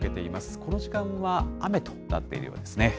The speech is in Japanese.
この時間は、雨となっているようですね。